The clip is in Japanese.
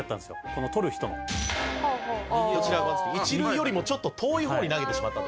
「この捕る人の」「一塁よりもちょっと遠い方に投げてしまったと」